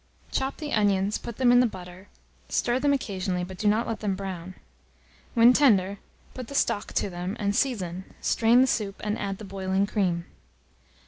Chop the onions, put them in the butter, stir them occasionally, but do not let them brown. When tender, put the stock to them, and season; strain the soup, and add the boiling cream.